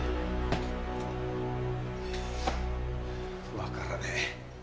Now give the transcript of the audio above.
わからねえ。